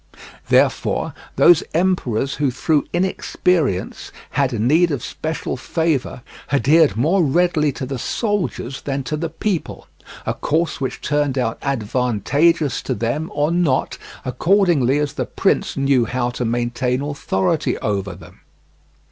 Therefore, those emperors who through inexperience had need of special favour adhered more readily to the soldiers than to the people; a course which turned out advantageous to them or not, accordingly as the prince knew how to maintain authority over them.